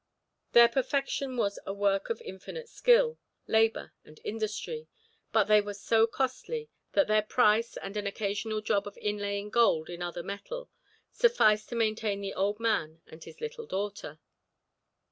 Their perfection was a work of infinite skill, labour, and industry, but they were so costly, that their price, and an occasional job of inlaying gold in other metal, sufficed to maintain the old man and his little daughter.